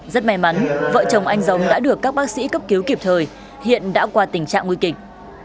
rất may mắn vợ chồng anh giống đã được các bác sĩ cấp cứu kịp thời hiện đã qua tình trạng nguy kịch